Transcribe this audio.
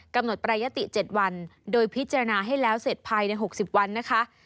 ปรายยติ๗วันโดยพิจารณาให้แล้วเสร็จภายใน๖๐วันนะคะ